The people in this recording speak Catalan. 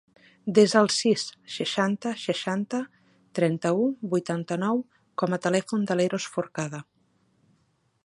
Desa el sis, seixanta, seixanta, trenta-u, vuitanta-nou com a telèfon de l'Eros Forcada.